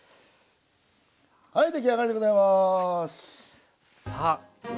はい出来上がりでございます！